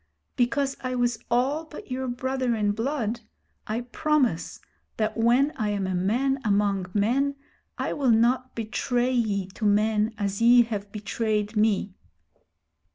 Because I was all but your brother in blood, I promise that when I am a man among men I will not betray ye to men as ye have betrayed me.'